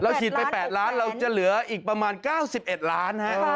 ฉีดไป๘ล้านเราจะเหลืออีกประมาณ๙๑ล้านฮะ